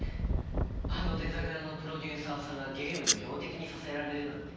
あのデザグラのプロデューサーさんがゲームの標的にさせられるなんて。